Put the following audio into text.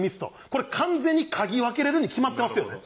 これ完全に嗅ぎ分けれるに決まってますよね